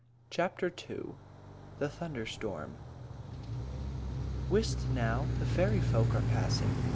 CHAPTER II. THE THUNDER STORM "WHISHT, now! The fairy folk are passing along.